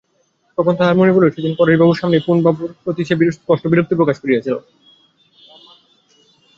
তখন তাহার মনে পড়িল সেদিন পরেশবাবুর সামনেই পানুবাবুর প্রতি সে স্পষ্ট বিরক্তি প্রকাশ করিয়াছিল।